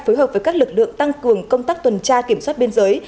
phối hợp với các lực lượng tăng cường công tác tuần tra kiểm soát biên giới